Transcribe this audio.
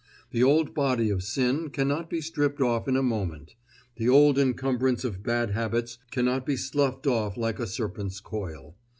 The old body of sin cannot be stripped off in a moment; the old encumbrance of bad habits cannot be sloughed off like a serpent's coil.